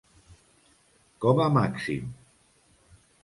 Com a màxim.